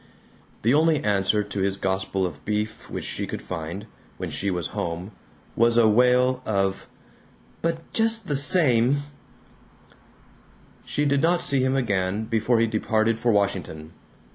The only answer to his gospel of beef which she could find, when she was home, was a wail of "But just the same " She did not see him again before he departed for Washington.